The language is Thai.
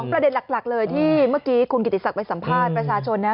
ประเด็นหลักเลยที่เมื่อกี้คุณกิติศักดิ์ไปสัมภาษณ์ประชาชนนะ